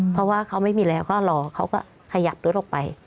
เพราะว่าเขาไม่มีแล้วก็รอเขาก็ขยับรถออกไป